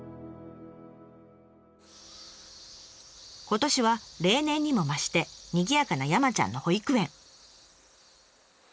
今年は例年にも増してにぎやかな山ちゃんの保育園。